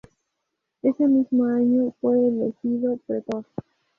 Ese mismo año fue elegido pretor.